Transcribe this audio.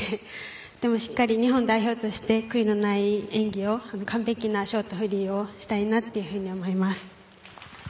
でもしっかり日本代表として悔いのない演技を完璧なショート、フリーをしたいと思います。